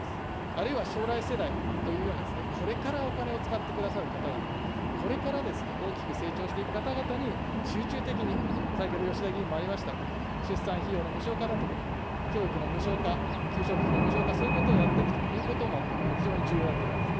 あるいは将来世代というような、これからお金を使ってくださる方々、これから大きく成長していく方々に、集中的に、先ほど吉田議員もありましたが、出産費用の無償化だとか、教育の無償化、給食費の給食費の無償化、そういうことをやっていくということも非常に重要だと思います。